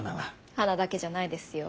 鼻だけじゃないですよ